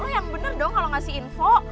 lo yang bener dong kalo ngasih info